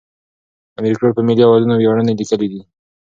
امیر کروړ په ملي اوزانو ویاړنې لیکلې دي.